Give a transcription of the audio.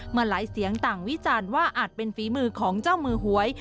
หลายเสียงต่างวิจารณ์ว่าอาจเป็นฝีมือของเจ้ามือหวย